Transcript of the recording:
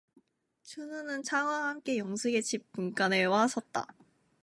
춘우는 창하와 함께 영숙의 집 문간에 와 섰다.